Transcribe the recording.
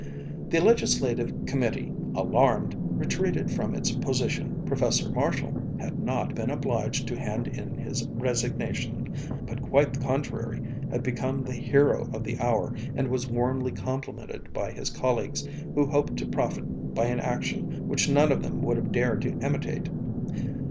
The legislative committee, alarmed, retreated from its position. Professor Marshall had not "been obliged to hand in his resignation," but quite the contrary, had become the hero of the hour and was warmly complimented by his colleagues, who hoped to profit by an action which none of them would have dared to imitate.